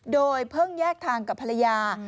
โดยเพิ่งแยกทางกับภรรยา